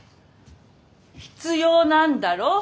必要なんだろ？